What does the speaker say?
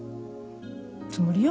つもりよ。